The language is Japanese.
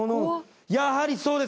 やはりそうです。